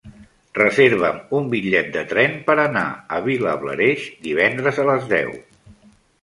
Reserva'm un bitllet de tren per anar a Vilablareix divendres a les deu.